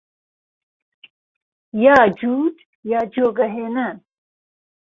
یا جووت یا جۆگە هێنان